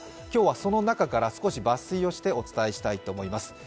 今日はその中から少し抜粋をしてお伝えしたいと思います。